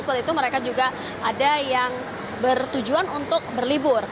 seperti itu mereka juga ada yang bertujuan untuk berlibur